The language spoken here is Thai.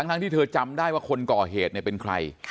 ทั้งที่เธอจำได้ว่าคนก่อเหตุเป็นใคร